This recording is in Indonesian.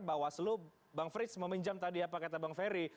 bawaslu bang frits meminjam tadi apa kata bang ferry